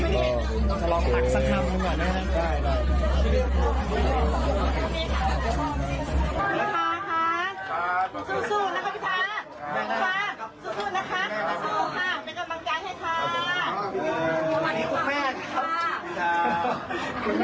วันนี้จะลองถักสักคำก่อนนะครับ